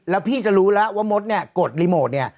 แล้วพี่จะรู้แล้วว่ามดเนี่ยกดรีโมทเนี่ย